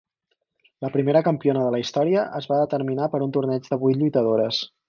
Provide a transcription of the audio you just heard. La primera campiona de la història es va determinar per un torneig de vuit lluitadores.